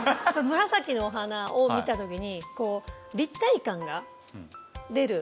紫のお花を見た時に立体感が出る。